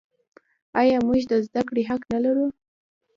آیا موږ د زده کړې حق نلرو؟